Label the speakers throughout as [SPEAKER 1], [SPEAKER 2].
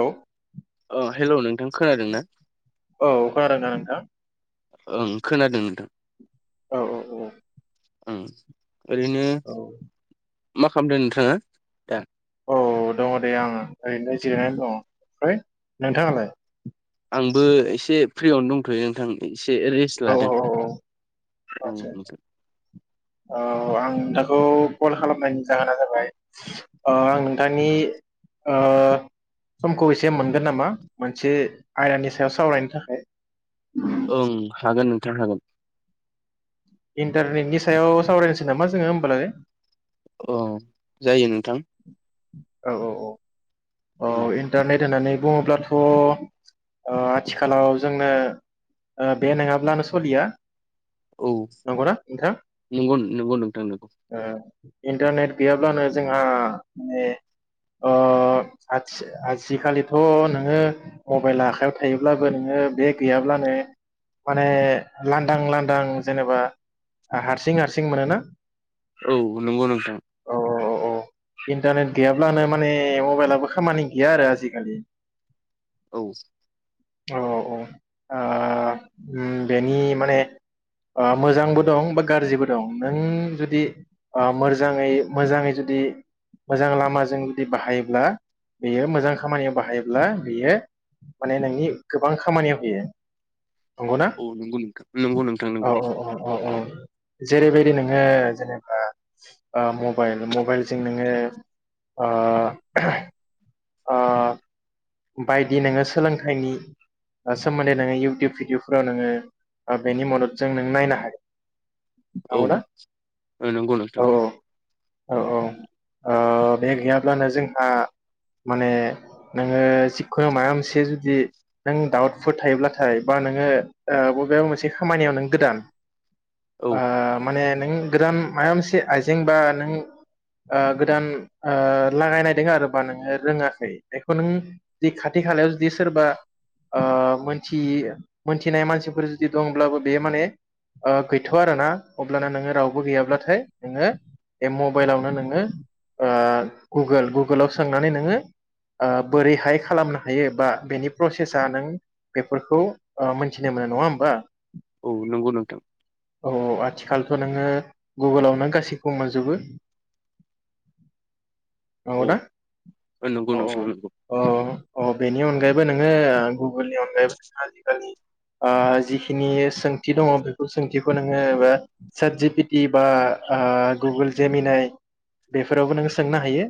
[SPEAKER 1] औ।
[SPEAKER 2] ओ हेल' नोंथां खोनादों ना।
[SPEAKER 1] औ खोनादोंना नोंथां।
[SPEAKER 2] ओं खोनादों नोंथां।
[SPEAKER 1] औ औ औ।
[SPEAKER 2] ओं। ओरैनो। मा खालामदों नोंथाङा दा।
[SPEAKER 1] औ दङ दे आङो ओरैनो जिरायनानै दङ ओमफ्राय नोंथाङालाय।
[SPEAKER 2] आंबो एसे फ्रियावनो दंथयो नोंथां‌। एसे रेस्ट लादों। ओं नोंथां
[SPEAKER 1] आतसा ओ आं। खौ कल खालामनायनि जाहोना जाबाय‌। आं नोंथांनि। ओ समखौ एसे मोनगोन नामा मोनसे आयदानि सायाव सावरायनो थाखाय।
[SPEAKER 2] ओं हागोन नोंथां हागोन।
[SPEAKER 1] इन्टारनेटनि सायाव सावरायनोसै नामा जोङो होमबालाय।
[SPEAKER 2] अ जायो नोंथां।
[SPEAKER 1] औ औ औ। अ
[SPEAKER 2] ओं
[SPEAKER 1] इन्टारनेट होननानै बुङोब्लाथ' ओ आथिखालाव जोंनो बे नङाब्लानो सोलिया
[SPEAKER 2] औ नंगौ-नंगौ नोंथां नंगौ।
[SPEAKER 1] ओ, इन्टारनेट गैयाब्लानो जोंहा माने ओ आजिखालिथ' नोङो मबाइल आखायाव थायोब्लाबो नोङो बे गैयाब्लानो माने लांदां लांदां जेनेबा हारसिं हारसिं मोनोना
[SPEAKER 2] औ नंगौ नोंथां।
[SPEAKER 1] अ इन्टारनेट गैयाब्लानो माने मबाइलाबो खामानि गैया आरो आजिखालि
[SPEAKER 2] औ।
[SPEAKER 1] औ औ ओ बेनि माने मोजांबो दं बा गाज्रिबो दं नों जुदि मोजाङै मोजाङै जुदि मोजां लामाजों जुदि बाहायोब्ला बेयो मोजां खामानियाव बाहायोब्ला बेयो माने नोंनि गोबां खामानियाव होयो। नंगौना
[SPEAKER 2] औ नंगौ नोंथां नंगौ नोंथां नंगौ
[SPEAKER 1] औ-औ-औ। जेरैबायदि नोङो जेनेबा मबाइल मबाइलजों नोङो ओ अह बायदि नोङो सोलोंथाइनि सोमोन्दै नोङो इउटुब भिडिअफोराव नोङो बेनि मददजों नों नायनो हायो।
[SPEAKER 2] औ नंगौ नोंथां।
[SPEAKER 1] औ-औ ओ बे गैयाब्लानो जोंहा माने ओ जिखुनु माबा मोनसे जुदि नों डाउटफोर थायोब्लाथाय बा नोङो बबेबा मोनसे खामानियाव नों गोदान
[SPEAKER 2] औ
[SPEAKER 1] आ माने नों गोदान माबा मोनसे आइजें बा नों ओ गोदान ओ लागायनायदों आरो बा नोङो रोङाखै बे-बे खौ नों जि खाथि खालायाव जुदि सोरबा ओ मोनथि मोनथिनाय मानसिफोर जुदि दंब्लाबो बे माने ओ गैथआ आरो ना अब्लाना नोङो रावबो गैयाब्लाथाय नोङो बे मबाइलावनो नोङो गुगोल गुगोलावनो सोंनानै नोङो ओ बोरैहाय खालामनो हायो बा बेनि प्रसेसा नों बेफोरखौ ओ मिथिनो मोनो नङा होमबा?
[SPEAKER 2] औ नंगौ नोंथां।
[SPEAKER 1] थ नोङो गुगोलावनो गासैखौ मोनजोबो।
[SPEAKER 2] औ
[SPEAKER 1] नंगौना
[SPEAKER 2] नंगौ।
[SPEAKER 1] औ
[SPEAKER 2] [unintelligible]
[SPEAKER 1] औ अ अ बेनि अनगायैबो नोङो गुगोलनि अनगायैबो आजिखालि ओ जिखिनि सोंथि दङ बेफोर सोंथिखौ नोङो सोटजि पिटि बा गुगोल जेमिनाय बेफोरावबो नोङो सोंनो हायो।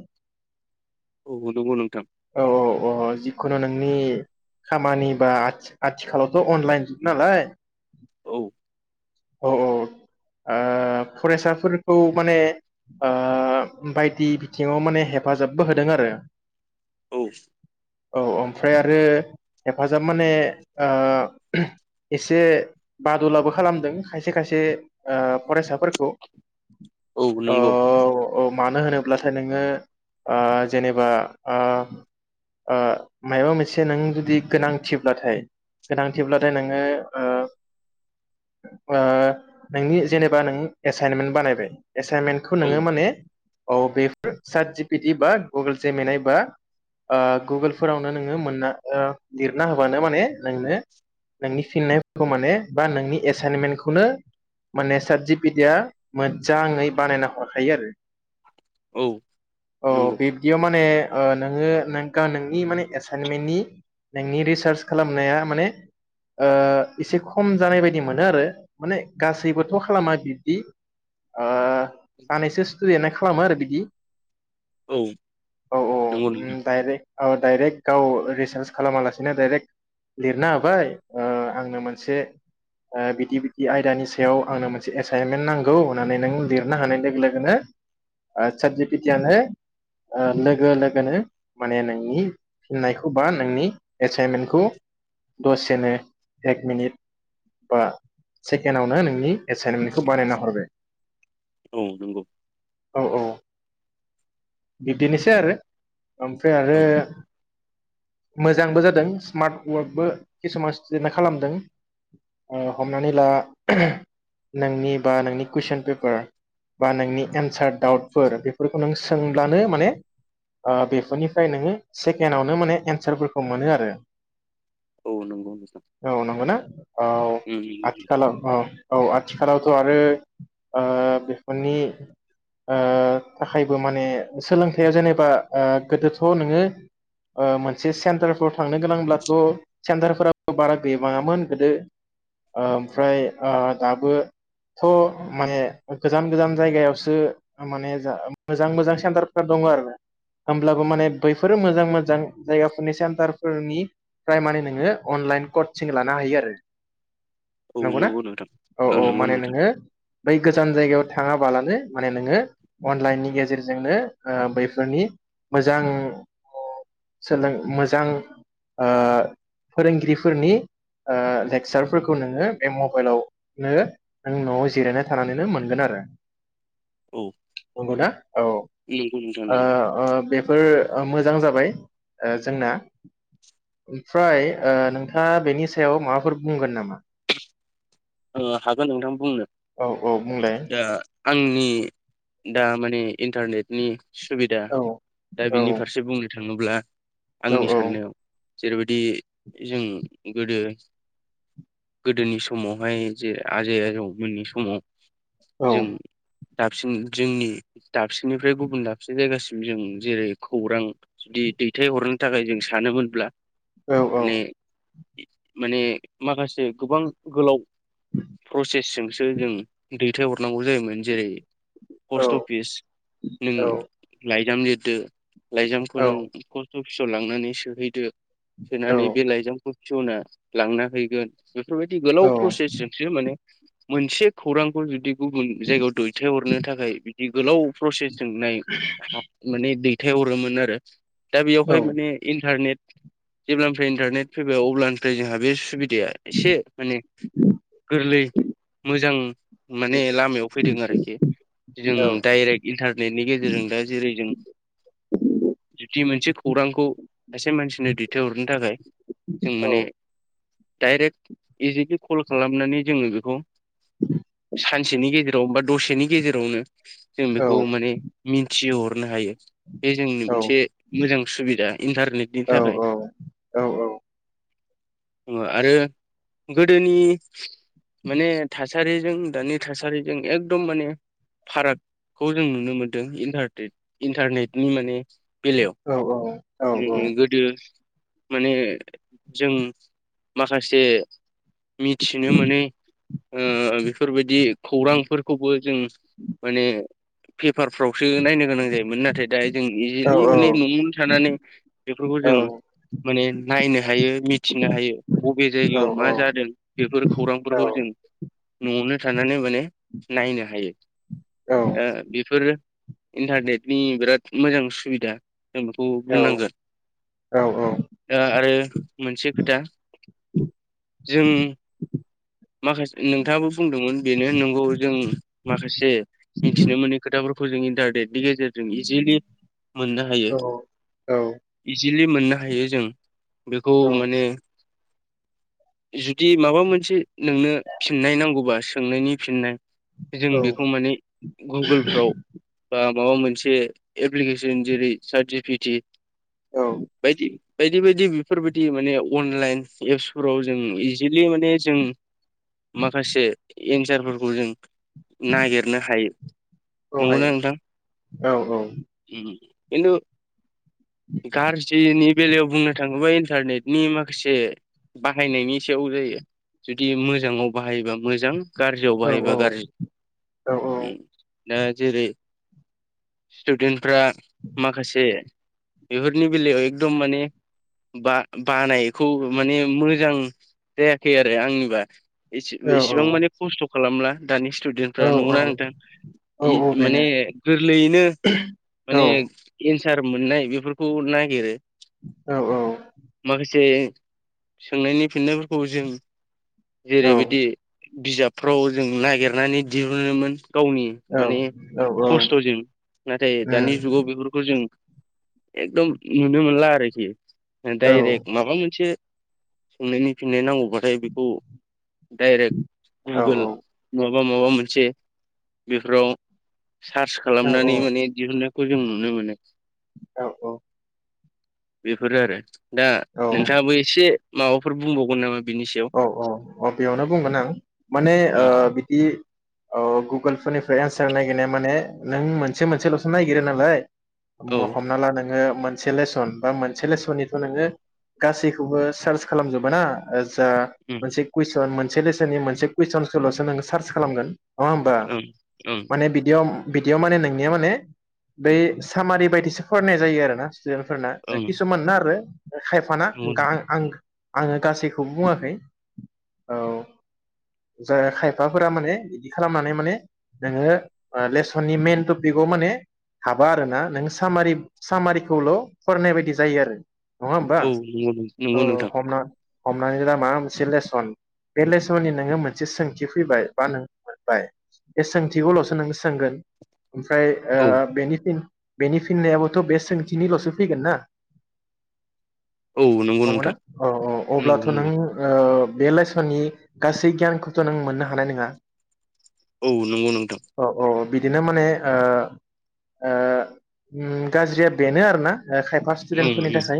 [SPEAKER 2] औ नंगौ नोंथां
[SPEAKER 1] औ औ औ जि खुनु नोंनि खामानि बा आथि आथिखालावथ अनलाइन जुग नालाय
[SPEAKER 2] औ
[SPEAKER 1] औ औ ओ फरायसाफोरखौ माने ओ बायदि बिथिङाव माने हेफाजाबबो होदों आरो
[SPEAKER 2] औ।
[SPEAKER 1] औ ओमफ्राय आरो हेफाजाब माने ओ एसे बादलाबो खालामदों खायसे खायसे फरायसाफोरखौ
[SPEAKER 2] औ नंगौ।
[SPEAKER 1] औ मानो होनोब्लाथाय नोङो ओ जेनेबा आ आ मायबा मोनसे नों जुदि गोनांथिब्लाथाय गोनांथिब्लाथाय नोङो ओ ओ नोंनि जेनेबा नों एसाइनमेन्ट बानायबाय। एसाइनमेन्टखौ
[SPEAKER 2] औ
[SPEAKER 1] नोङो माने औ। बेफोर सात जि पि टि बा गुगोल जेमेनाय आ गुगोलफोरावनो नोङो मोनना लिरना होबानो माने नोंनो नोंनि फिननायफोरखौ माने बा नोंनि एसाइनमेन्टखौनो माने सात जि पि टि या मोजाङै बानायना हरखायो आरो
[SPEAKER 2] औ
[SPEAKER 1] अ
[SPEAKER 2] नंगौ
[SPEAKER 1] बिब्दियाव माने नोङो नोंनि माने एसाइनमेन्टनि नोंनि रिसार्च खालामनाया माने आ एसे खम जानाय बायदि मोनो आरो माने गासैबोथ खालामा बिब्दि आ सानैसो स्टुदेन्टआ खालामो आरो बिदि
[SPEAKER 2] औ
[SPEAKER 1] औ
[SPEAKER 2] नंगौ नोंथां
[SPEAKER 1] उम डाइरेक्ट औ डायरेक्ट गाव रिसार्च खालामा लासेनो दडायरेक लिरनो होबाय आंनो मोनसे बिदि बिदि आयदानि सायाव आंनो मोनसे एसाइनमेन्ट नांगौ होननानै नों लिरनो हानाय लोगो लोगोनो सात जि पि टि यानो लोगो लोगोनो माने नोंनि फिननायखौ बा नोंनि एसाइनमेन्टखौ दसेनो एक मिनिट बा सेकेडावनो नोंनि एसाइनमेन्टखौ बानायना हरबाय
[SPEAKER 2] औ नंगौ
[SPEAKER 1] औ औऔ बिदिनोसै आरो ओमफ्राय आरो
[SPEAKER 2] ओं
[SPEAKER 1] मोजांबो जादों स्मार्ट वार्कबो किसुमान स्टुडेन्देन्टा खालामदों ओ हमनानैला ओनोंनि बा नोंनि कुवइसन पेपार बा नोंनि एन्सार दाउटफोर बेफोरखौ नों सो सोंब्लानो माने ओ बेफोरनिफ्राय नोङो सेकेणडआवनो माने एन्सारफोरखौ मोनो आरो
[SPEAKER 2] औ नंगौ नोंथां
[SPEAKER 1] औ नंगौ ना औ आथिखालाव औ औ आथिखालावथ आरो ओ बेफोरनि ओथाखाय माने सोलोंथाया जेनेबा आ गोदोथ नोंङो ओ मोनसे सेन्टारफोराव थांनो गोनांब्लाथ सेन्टारफोराबो बारा गैबांआमोन गोदो ओ ओमफ्राय ओ दाबो थ' माने गोजान गोजान जायगायावसो माने जा मोजां मोजां सेन्टारफोर दङ आरो होमब्लाबो माने बैफोरो मोजां मोजां जायगाफोरनि सेन्टारफोरनिफ्राय माने नोङो अनलाइन कचिं लानो हायो आरो
[SPEAKER 2] उम
[SPEAKER 1] नंगौना
[SPEAKER 2] नंगौ नोंथां।
[SPEAKER 1] औ औ
[SPEAKER 2] नंगौ
[SPEAKER 1] माने
[SPEAKER 2] नोंथां
[SPEAKER 1] नोङो बै गोजान जायगायाव थाङाबालानो माने नोङो अनलाइननि गेजेरजोंनो ओ बैफोरनि मोजां सोलों मोजां ओ फोरोंगिरिफोरनि ओ लेक्सारफोरखौ नोङो बे मबाइलावनो नों नआव जिरायना थानानैनो मोनगोन आरो
[SPEAKER 2] औ
[SPEAKER 1] गदा औ ओ
[SPEAKER 2] नंगौ नोंथां नंगौ
[SPEAKER 1] ओ बेफोर ओ मोजां जाबाय ओ जोंना मफ्राय ओ नोंथाङा बेनि सायाव माबाफोर बुंगोन नामा
[SPEAKER 2] ओ हागोन नोंथां बुंनो
[SPEAKER 1] औ औ बुंलाय
[SPEAKER 2] उम आंनि दा माने इन्टारनेटनि सुबिदा
[SPEAKER 1] औ
[SPEAKER 2] दा
[SPEAKER 1] औ
[SPEAKER 2] बिनि फारसे बुंनो थाङ होमब्ला
[SPEAKER 1] औ
[SPEAKER 2] आंनि साननायाव जेरैबायदि जों गोदो गोदोनि समाव ओमाय जे आजै आजौ मोननि समाव जों दाबसेनि जोंनि दाबसेनिफ्राय गुबुन दाबसे जायगासिम जों जेरै खौरां जुदि दैथायहरनो थाखाय जों सानोमोनब्ला
[SPEAKER 1] औ औ
[SPEAKER 2] माने माने माखासे गोबां गोलाव प्रसेसजोंसो जों दै थाय हरनांगौ जायोमोन जेरै
[SPEAKER 1] औ
[SPEAKER 2] पस्ट अफिस नों लाइजाम लिर दो। लाइजामखौ
[SPEAKER 1] औ
[SPEAKER 2] नों फस्त अफिसाव लांनानै सोहैदो।
[SPEAKER 1] औ
[SPEAKER 2] सोनानै बे लायजाम पियना लांना हैगोन बेफोरबायदि गो प्रसेसजोंसो माने मोनसे खौरांखौ जुदि गुबुन जायगायाव दैथायहरनो थाखाय बि गोलाव प्रसेस जोंनाय माने दैथाय दैथायहरोमोन आरो। दा बेयावहाय माने इन्टारनेट जेब्लानिफ्राय इन्टारनेट फैबाय अब्लानिफ्राय जोंहा बे सुबिद दाया एसे माने गोरलै मोजां माने लामायाव फैदों आरोखि। जों
[SPEAKER 1] औ
[SPEAKER 2] डाइरेक्ट इन्टारनेटनि गेजेरजों दा जेरै जों जुदि मोनसे खौरांखौ सासे मानसिनो दैथायहरनो थाखाय जों माने डाइरेक्ट इजि कल खालामनानै जोङो बेखौ सानसेनि गेजेराव बा दसेनि गेजेरावनो जों बेखौ माने मिन्थिहर नो हायो। बे जोंनि मोनसे मोजां सुबिदा इन्टारनेटनि थाखाय आरो गोदोनि माने थासारिजों दानि थासारिजों एकदम माने फारागखौ जों नुनो मोनदों इन्टारनेट इन्टारनेटनि माने बेलायाव
[SPEAKER 1] औ
[SPEAKER 2] गोदो माने जों माखासे मिथिनो मोनो ओ बेफोरबायदि खौरांफोरखौबो जों माने फिप पेपारफ्रावसो नायनो गोनां जायोमोन नाथाय दा जों इजिलि
[SPEAKER 1] औ औ
[SPEAKER 2] माने नआवनो थानानै बेफोरखौ जों माने नायनो हायो मिथिनो हायो बबे जायगायाव मा जादों। बेफोर खौरांफोरखौ जों नआवनो थानानै माने नायनो हायो ओ बेफोरो इन्टारनेटनि बिराद मोजां सुबिदा। जों बेखौ बुंनांगोन दा आरो मोनसे खोथा जों माखासे नोंथाङाबो बुंदोंमोन बेनो नंगौ जों माखासे मिथिनो मोनै खोथाफोर फोर जों इन्टारनेटनि गेजेरजों इजिलि। मोननो हायो इस जिलि मोननो हायो जों। बेखौ माने इजि बिदि माबा मोनसे नोंनो फिननाय नांगौबा सोंनायनि फिननाय जों बेखौ माने गुगोलफ्राव बा माबा मोनसे एप्लिकेसन जेरै सार्ट जि-फि-टि। बायदि। बायदि बायदि बेफोरबायदि माने अनलाइन एप्सफोराव जों इस जिलि माने जों माखासे। एनसारफोरखौ जों नागिरनो हायो नंगौना नोंथां उम। खिन्थु गारज्रिनि बेलायाव बुंनो थाङोबा इन्टारनेटनि माखासे बाहायनायनि [unintelligible] जुदि मोजाङाव बाहायोबा मोजां। गाज्रियाव बाहायबा गाज्रि दा जेरै स्टुदेन्टफ्रा माखासे बेफोरनि बेलायाव एकदम माने बा-बानायखौ माने मोजां जायाखै आरो आंनिबा। इसि-इसिबां माने खस्थ खालामला। दानि [unintelligible] स्टुेदेनफ्रा नंगौना नोंथां इ माने गोरलैयैनो माने सार मोननाय बेफोरखौ नागिरो। माखासे। सोंनायनि फिननाय खौ जों जेरैबायदि बिजाबफ्राव जों नागिरनानै दिहुनोमोन। गावनि माने खस्थजों नाथाय दानि जुगाव बेफोरखौ जों एकदम नुनो मोनला आरोखि। डाइरेक्ट माबा मोनसे [unintelligible] फिननाय नांगौबाथाय बेखौ डायरेक्ट गुगोल बा बा माबा मोनसे बेफोराव सार्च खालामनानै माने दिहुननायखौ जों नुनो मोनो। बेफोर आरो। दा नोंथाङाबो एसे माबाफोर बुंबाव गोन नामा
[SPEAKER 1] औ औ अ बेयावनो बुंगोन आं माने ओ
[SPEAKER 2] ओं
[SPEAKER 1] बिदि औ गुगोलफोरनिफ्राय एन्सार नायगिरनाया माने नों मोनसे मोनसेलसो नायगिरो नालाय
[SPEAKER 2] औ
[SPEAKER 1] हम-हमना ला नोङो मोनसे लेसन बा मोनसे लेसननिथ नोङो गासैखौबो चार्च खालामजोबा ना ओ जा मोनसे कुइसन मोन मोनसे लेसननि मोनसे कुइसनसोल नों सार्च खालामगोन। नङा होमबा
[SPEAKER 2] ओम ओं
[SPEAKER 1] माने बिदियाव बिदियाव माने नोंनिया माने बै सामारि बायदिसो फरायनाय जायो आरो ना। [unintelligible]
[SPEAKER 2] ओं
[SPEAKER 1] किसुमानना आरो खायफाना
[SPEAKER 2] ओं नंगौ
[SPEAKER 1] गां आं आङो गासैखौ बो बुङाखै औ जा खायफाफोरा माने बिदि खालामनानै माने नोङो लेसननि मेइन टपिकआव माने हाबा आरोना नों सामारि सामारिखौल फरायनाय बायदि जायो आरो। नङा होमबा
[SPEAKER 2] औ नंगौ
[SPEAKER 1] औ
[SPEAKER 2] नंगौ नोंथां।
[SPEAKER 1] हमना हमनानै ला माबा मोनसे लेसन बे लेसननि नोङो मोनसे सोंथि फैबाय बा नों मोनबाय बे सोंथिखौलसो नों सोंगोन ओमफ्राय ओ
[SPEAKER 2] औ
[SPEAKER 1] बेनि फिन बेनि फिननायाबोथ बे सोंथिनिलसो फैगोन ना
[SPEAKER 2] औ नंगौ
[SPEAKER 1] नंगोना
[SPEAKER 2] नोंथां
[SPEAKER 1] अ औ
[SPEAKER 2] नंगौ
[SPEAKER 1] अब्लाथ नों
[SPEAKER 2] नंगौ
[SPEAKER 1] ओ ओ बे लेसननि गासै गियानखौथ नों मोननो हानाय नङा
[SPEAKER 2] औ नंगौ नोंथां।
[SPEAKER 1] औ औ बिदिनो माने ओ ओ उम गाज्रिया बेनो आरो ना ओ खायफा
[SPEAKER 2] ओं
[SPEAKER 1] स्टुदेन्टफोरनि
[SPEAKER 2] ओं
[SPEAKER 1] थाखाय।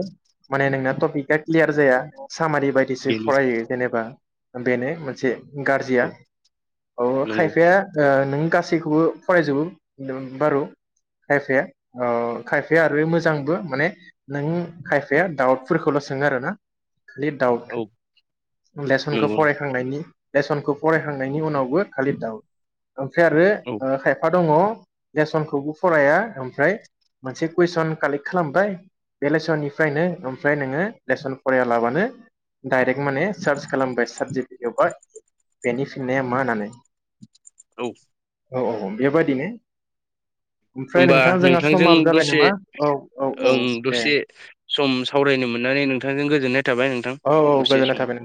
[SPEAKER 1] माने नोंना टपिकआ क्लियार जाया सामारि बायदिसो
[SPEAKER 2] बेनो
[SPEAKER 1] फरायो जेनेबा बेनो मोनसे गारजिया
[SPEAKER 2] औ
[SPEAKER 1] औ
[SPEAKER 2] नंगौ
[SPEAKER 1] खायफाया ओ नों गासैखौबो फरायजोबो बारु खायफाया अ खायफाया आरो मोजांबो माने नों खायफाया दाउटफोरखौल सोङो आरो ना खालि डाउट
[SPEAKER 2] औ
[SPEAKER 1] लेसनखौ
[SPEAKER 2] नंगौ
[SPEAKER 1] फरायखांनायनि लेसनखौ फरायहांनायनि उनावबो खालि डावट ओमफ्राय आरो
[SPEAKER 2] औ
[SPEAKER 1] ओ खायफा दङ लेसनखौबो फराया ओमफ्राय मोनसे कुइसन कालेक्ट खालामबाय बे लेसननिफ्रायनो ओमफ्राय नोङो लेसन फरायालाबानो डाइरेक्ट माने सार्च खालामबाय साबजेक एबा बेनि फिननाया मा होननानै
[SPEAKER 2] औ
[SPEAKER 1] औ औ औ बेबादिनो
[SPEAKER 2] होमबा नोंथांजों दसे
[SPEAKER 1] औ औ औ
[SPEAKER 2] ओं
[SPEAKER 1] दे
[SPEAKER 2] दसे सम सावरायनो मोननानै नों थांजों गोजोननाय थाबाय नोंथां
[SPEAKER 1] औ औ
[SPEAKER 2] दसे
[SPEAKER 1] गोजोननाय
[SPEAKER 2] सम
[SPEAKER 1] थाबाय नोंथां